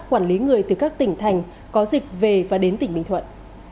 quản lý người từ các tỉnh thành có dịch về và đến tỉnh bình thuận